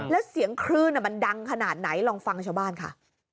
แล้วเสียงคลื่นมันดังขนาดไหนลองฟังชาวบ้านค่ะ